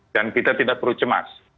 dan kita tidak perlu cemas